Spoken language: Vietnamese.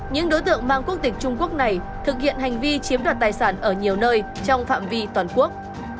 những đối tượng mang quốc tịch trung quốc này thực hiện hành vi chiếm đoạt tài sản ở nhiều nơi trong phạm vi toàn quốc